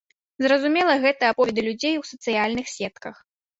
Зразумела, гэта аповеды людзей у сацыяльных сетках.